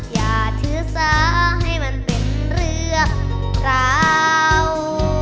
อย่าถือสาให้มันเป็นเรื่องราว